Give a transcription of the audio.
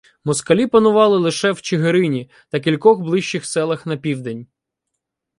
Москалі панували лише в Чигирині та кількох ближчих селах на південь.